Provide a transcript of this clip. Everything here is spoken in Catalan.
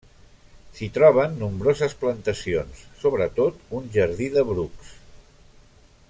S'hi troben nombroses plantacions, sobretot un jardí de brucs.